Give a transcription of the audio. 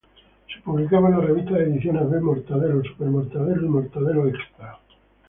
Se publicaba en las revistas de Ediciones B "Mortadelo," "Super Mortadelo, y Mortadelo Extra.